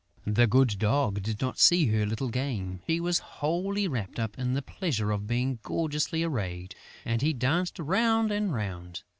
The good Dog did not see her little game. He was wholly wrapped up in the pleasure of being gorgeously arrayed; and he danced round and round.